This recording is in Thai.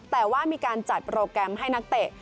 แต่ว่ามีการจัดโปรแกรมให้นักเตะ